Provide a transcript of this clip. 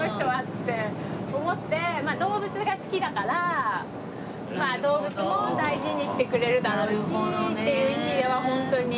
動物が好きだから動物も大事にしてくれるだろうしっていう意味ではホントに。